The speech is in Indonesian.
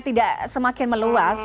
tidak semakin meluas